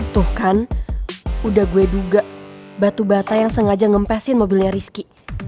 tuh kan udah gue duga batu bata yang sengaja ngempesin mobilnya rizky